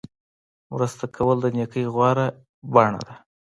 مرسته کول د نیکۍ غوره بڼه ده.